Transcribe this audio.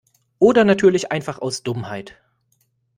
Oder natürlich einfach aus Dummheit.